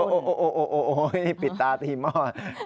โอ้โหปิดตาทีมมาก